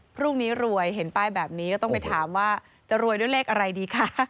พรุ่งนี้รวยเห็นป้ายแบบนี้ก็ต้องไปถามว่าจะรวยด้วยเลขอะไรดีคะ